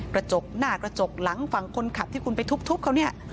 กระจกหน้ากระจกหลังฝั่งคนขับที่คุณไปทุบเขาเนี่ย